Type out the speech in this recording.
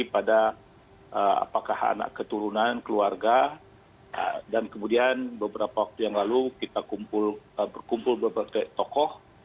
jadi pada apakah anak keturunan keluarga dan kemudian beberapa waktu yang lalu kita berkumpul berbagai tokoh